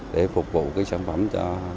để phục vụ cái sản phẩm cho